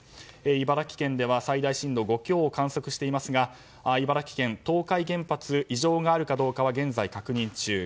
茨城県では最大震度５強を観測していますが茨城県東海原発異常があるかどうかは現在確認中。